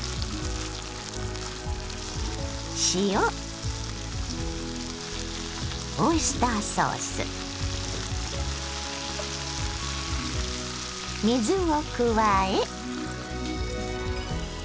塩オイスターソース水を加え。